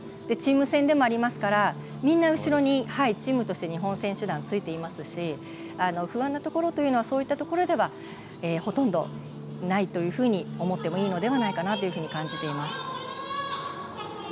チーム戦でもありますからみんな後ろにチームとして日本選手団がついていますし不安なところというのはそういったところではほとんどないというふうに思ってもいいのではないかと感じています。